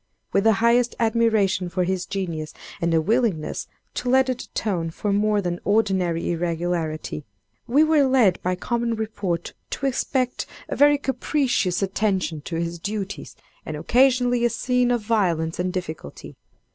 With the highest admiration for his genius, and a willingness to let it atone for more than ordinary irregularity, we were led by common report to expect a very capricious attention to his duties, and occasionally a scene of violence and difficulty.